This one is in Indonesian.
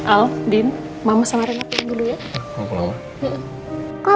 al din mama sama renata dulu ya